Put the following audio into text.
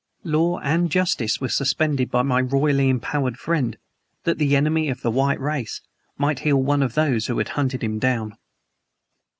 Law and justice were suspended by my royally empowered friend that the enemy of the white race might heal one of those who had hunted him down!